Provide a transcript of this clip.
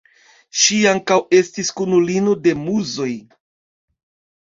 Ŝi ankaŭ estis kunulino de Muzoj.